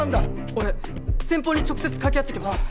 俺先方に直接かけ合ってきます。